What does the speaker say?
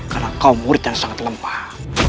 karena kau murid yang sangat lemah